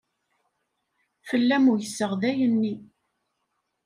Fell-am uyseɣ dayen-nni.